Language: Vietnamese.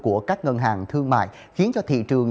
của các ngân hàng thương mại khiến cho thị trường